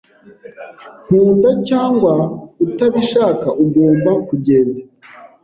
Nkunda cyangwa utabishaka, ugomba kugenda.